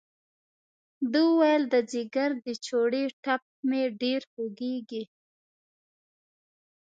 ده وویل د ځګر د چړې ټپ مې ډېر خوږېږي.